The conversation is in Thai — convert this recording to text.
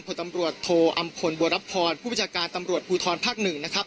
ผลตำรวจโทอำพลบัวรับพรผู้ประชาการตำรวจภูทรภาคหนึ่งนะครับ